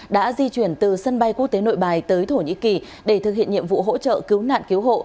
đã di chuyển từ sân bay quốc tế nội bài tới thổ nhĩ kỳ để thực hiện nhiệm vụ hỗ trợ cứu nạn cứu hộ